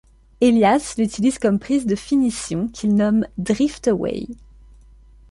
Elias l'utilise comme prise de finition qu'il nomme Drift Away.